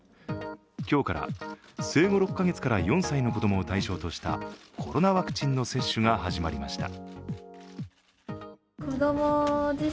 今日から生後６か月から４歳の子供を対象としたコロナワクチンの接種が始まりました。